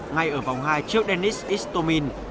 ngay ở vòng hai trước denis istomin